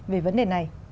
về vấn đề này